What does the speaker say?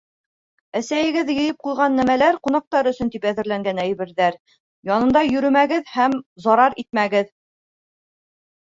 Әсәйегеҙ йыйып ҡуйған нәмәләр, ҡунаҡтар өсөн тип әҙерләнгән әйберҙәр янында йөрөмәгеҙ һәм зарар итмәгеҙ!